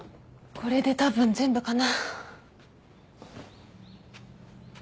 これでたぶん全部かな。